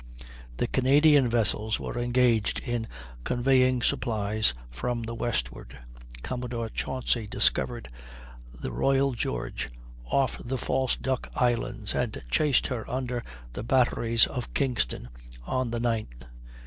The Canadian vessels were engaged in conveying supplies from the westward. Commodore Chauncy discovered the Royal George off the False Duck Islands, and chased her under the batteries of Kingston, on the 9th.